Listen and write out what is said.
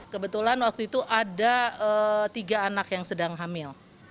kebetulan waktu itu ada tiga anak yang sedang hamil